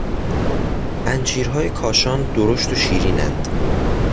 انجیرهای کاشان درشت و شیرین اند.